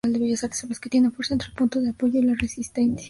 Son las que tienen la fuerza entre el punto de apoyo y la resistencia.